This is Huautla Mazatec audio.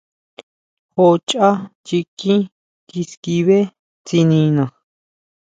Jo chʼá chikí kiskibé tsinina.